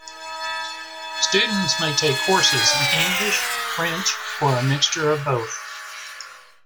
Students may take courses in English, French or a mixture of both.